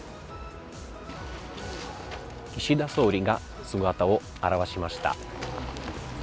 岸田総理が姿を現しました。